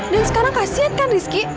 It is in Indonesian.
dan sekarang kasian kan rizky